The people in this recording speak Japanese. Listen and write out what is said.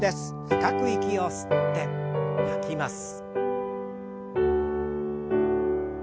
深く息を吸って吐きます。